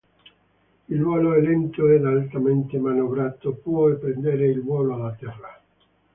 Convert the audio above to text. Il volo è lento ed altamente manovrato, può prendere il volo da terra.